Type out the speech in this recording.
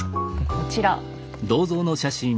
こちら。